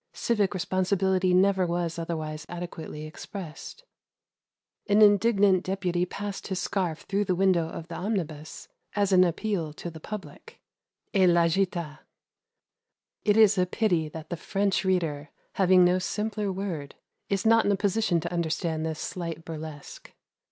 Civic responsibility never was otherwise adequately expressed. An indignant deputy passed his scarf through the window of the omnibus, as an appeal to the public, "et l'agita." It is a pity that the French reader, having no simpler word, is not in a position to understand the slight burlesque.